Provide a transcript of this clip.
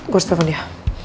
gue harus pepa dia